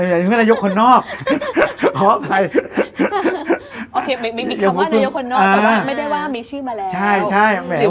โอเคไม่มีคำว่านายกคนนอกแต่ว่าไม่ได้ว่ามีชื่อมาแล้ว